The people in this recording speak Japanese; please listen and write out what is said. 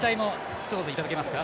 ひと言いただけますか？